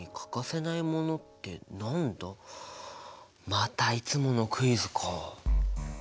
またいつものクイズか。